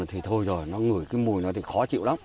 thì thôi rồi nó ngửi cái mùi nó thì khó chịu lắm